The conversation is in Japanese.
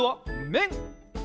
めん！？